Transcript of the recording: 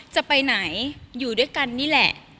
จะไปไหนอยู่ด้วยกันนี่แหละ